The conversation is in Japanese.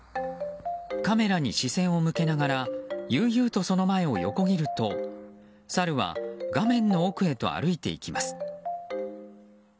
カメラに視線を向けながら悠々とその前を横切るとサルは、画面の奥へと歩いていきます。